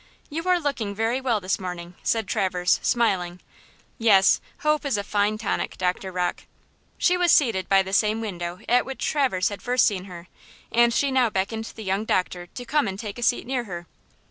"You are looking very well this morning," said Traverse, smiling. "Yes, hope is a fine tonic, Doctor Rocke." She was seated by the same window at which Traverse had first seen her, and she now beckoned the young doctor to come and take a seat near her.